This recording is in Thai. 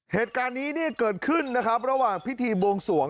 เหตุการณ์นี้เกิดขึ้นระหว่างพิธีโบงส่วน